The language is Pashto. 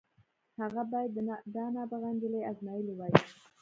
هغه بايد دا نابغه نجلۍ ازمايلې وای.